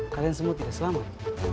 kalian semua tidak selamat